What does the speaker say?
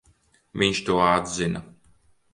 Viņš to atzina.